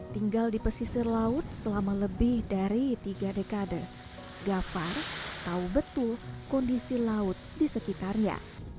tinggal di pesisir laut selama lebih dari tiga dekade gafar tahu betul kondisi laut di sekitarnya